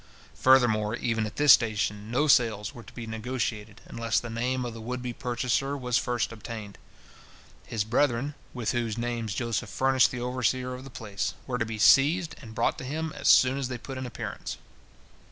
Furthermore, even at this station no sales were to be negotiated unless the name of the would be purchaser was first obtained. His brethren, with whose names Joseph furnished the overseer of the place, were to be seized and brought to him as soon as they put in appearance.